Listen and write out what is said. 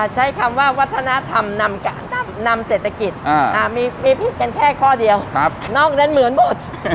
ใช้คำว่าวัฒนธรรมนำเศรษฐกิจมีพิษกันแค่ข้อเดียวนอกนั้นเหมือนหมด